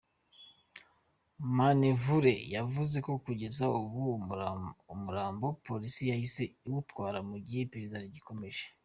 Manevure yavuze ko kugeza ubu umurambo Polisi yahise iwutwara, mu gihe iperereza rigikomeza.